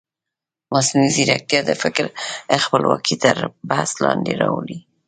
مصنوعي ځیرکتیا د فکر خپلواکي تر بحث لاندې راولي.